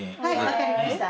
分かりました。